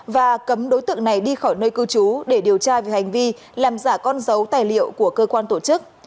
và cấm đối tượng này đi khỏi nơi cư trú để điều tra về hành vi làm giả con dấu tài liệu của cơ quan tổ chức